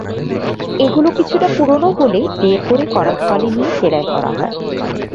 এগুলো কিছুটা পুরোনো হলে বের করে করাতকলে নিয়ে চেরাই করা হয়।